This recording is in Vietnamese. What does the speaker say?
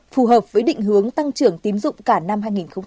phù hợp với định hướng tăng trưởng tím dụng cả năm hai nghìn một mươi sáu